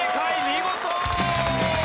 見事！